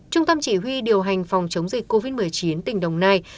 trung tâm chỉ huy điều hành phòng chống dịch covid một mươi chín tỉnh đồng nai